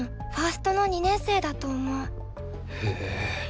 へえ。